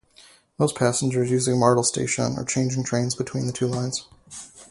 Most passengers using Myrdal station are changing trains between the two lines.